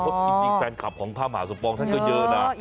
เพราะจริงแฟนคลับของพระมหาสมปองท่านก็เยอะนะ